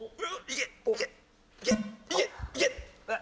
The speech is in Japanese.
いけ！